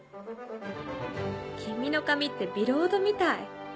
君の髪ってビロードみたい。